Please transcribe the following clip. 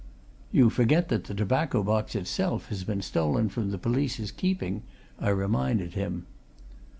"You forget that the tobacco box itself has been stolen from the police's keeping," I reminded him.